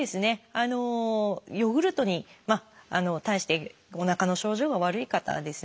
ヨーグルトに対しておなかの症状が悪い方はですね